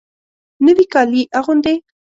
نوي کالي اغوندې